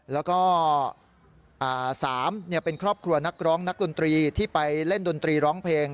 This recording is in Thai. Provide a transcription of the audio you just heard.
แล้วก็๓เป็นครอบครัวนักร้องนักดนตรีที่ไปเล่นดนตรีร้องเพลง